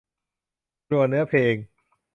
ครัวเนื้อเพลง